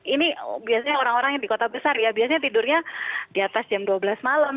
ini biasanya orang orang yang di kota besar ya biasanya tidurnya di atas jam dua belas malam